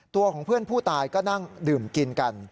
ตัวของเพื่อนผู้ตายก็นั่งดื่มกินกัน